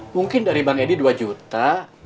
mungkin dari bang edi dua juta